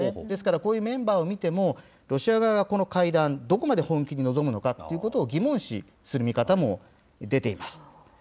ですから、こういうメンバーを見ても、ロシア側がこの会談、どこまで本気で臨むのかということを疑問視する見方も出ています。